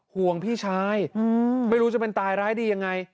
ห่วงพี่ชายไม่รู้จะเป็นตายร้ายดียังไง